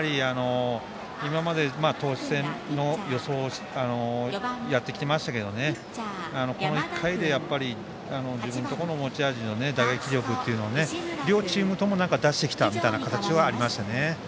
今まで投手戦の予想でやってきましたけどこの１回で持ち味の打撃力を両チームとも出してきたみたいな形はありますね。